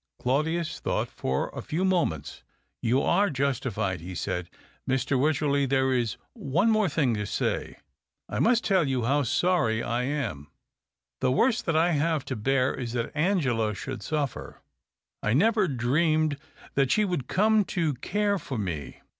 Claudius thought for a few moments. " You are justified," he said. " Mr. Wycherley, there is one more thing to say. I must tell you how sorry I am. The worst that I have to bear is that Angela should suffer ; I never dreamed that she would come to care for me.